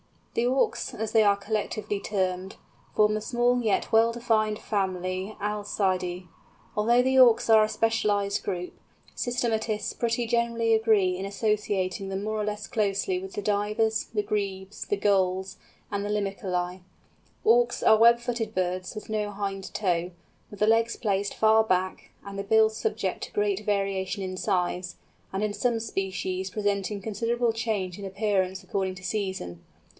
The Auks, as they are collectively termed, form the small yet well defined family Alcidæ. Although the Auks are a specialised group, systematists pretty generally agree in associating them more or less closely with the Divers, the Grebes, the Gulls, and the Limicolæ. Auks are web footed birds, with no hind toe, with the legs placed far back, and the bill subject to great variation in size, and in some species presenting considerable change in appearance according to season.